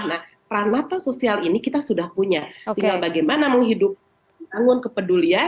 nah peranata sosial ini kita sudah punya tinggal bagaimana menghidupkan kepedulian